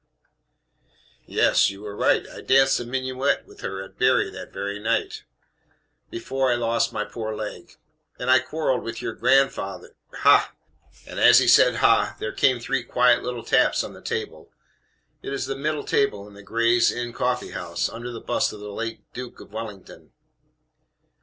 "Yes; you are right. I danced a minuet with her at Bury that very night, before I lost my poor leg. And I quarreled with your grandf , ha!" As he said "Ha!" there came three quiet little taps on the table it is the middle table in the "Gray's Inn CoffeeHouse," under the bust of the late Duke of W ll ngt n.